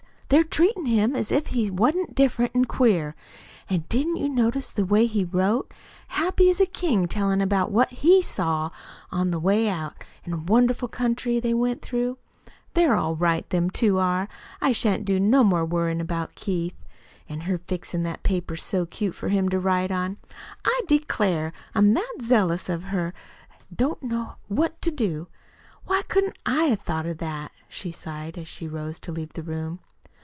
They're treatin' him as if he wa'n't different an' queer. An' didn't you notice the way he wrote? Happy as a king tellin' about what he SAW on the way out, an' the wonderful country they went through. They're all right them two are. I shan't do no more worryin' about Keith. An' her fixin' that paper so cute for him to write on I declare I'm that zealous of her I don't know what to do. Why couldn't I 'a' thought of that?" she sighed, as she rose to leave the room.